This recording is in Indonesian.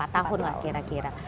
lima tahun lah kira kira